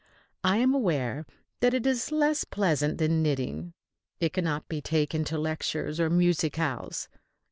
I am aware that it is less pleasant than knitting. It cannot be taken to lectures or musicales.